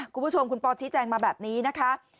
คุณผู้ชมคุณปอชี้แจงมาแบบนี้นะคะ